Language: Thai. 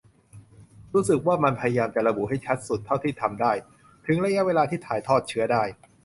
รู้สึกว่ามันพยายามจะระบุให้ชัดสุดเท่าที่ทำได้ ถึงระยะเวลาที่ถ่ายทอดเชื้อได้